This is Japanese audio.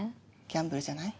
ギャンブルじゃない？